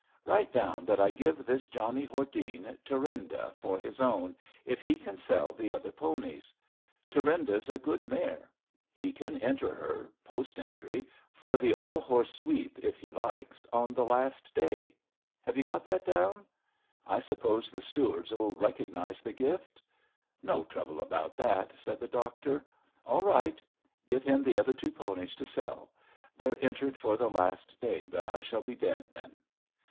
Write down that I give this Johnnie Hordene Thurinda for his own, if he can sell the other 132 ABAFT THE FUNNEL ponies. Thurinda^s a good mare. He can enter her — ^post entry — for the All Horse Sweep if he likes — on the last day. Have you got that down? I suppose the Stewards ^11 recognise the gift? 'No trouble about that,'' said the doctor. All right. Give him the other two ponies to sell. They're entered for the last day, but I shall be dead then.